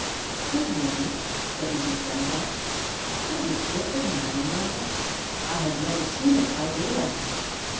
"Good morning," said Mrs. Ground Hog. "I was just admiring your nest. I have never seen it by daylight."